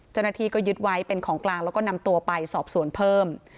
จณฐีก็ยึดไว้เป็นของกลางแล้วก็นำตัวไปสอบส่วนเพิ่ม